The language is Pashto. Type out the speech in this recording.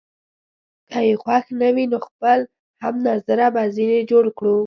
که يې خوښ نه وي، نو خپل هم نظره به ځینې جوړ کړو.